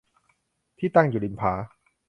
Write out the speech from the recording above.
ที่ตั้งอยู่ริมผา